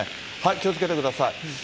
気をつけてください。